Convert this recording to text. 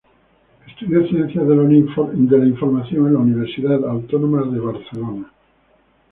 Estudió Ciencias de la Información en la Universidad Autónoma de Barcelona.